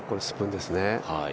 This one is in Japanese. スプーンですね。